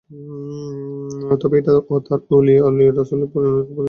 তবে এটা তার ওলী হওয়া বা রাসূল হওয়ার পরিপন্থী নয়, যেমন অন্যরা বলেছেন।